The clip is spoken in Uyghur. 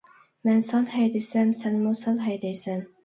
مەن سال ھەيدىسەم سەنمۇ سال ھەيدەيسەن.